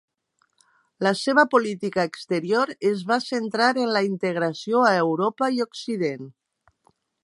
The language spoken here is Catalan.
La seva política exterior es va centrar en la integració a Europa i Occident.